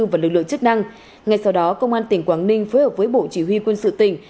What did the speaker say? và lực lượng chức năng ngay sau đó công an tỉnh quảng ninh phối hợp với bộ chỉ huy quân sự tỉnh